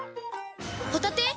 ホタテ⁉